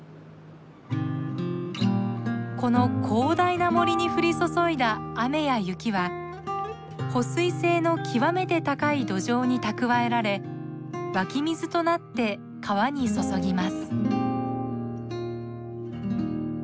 この広大な森に降り注いだ雨や雪は保水性の極めて高い土壌に蓄えられ湧き水となって川に注ぎます。